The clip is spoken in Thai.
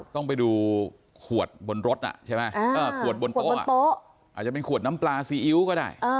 ต้องไปดูขวดบนรถใช่ไหมขวดบนโต๊ะอาจจะเป็นขวดน้ำปลาซีอิ๊วก็ได้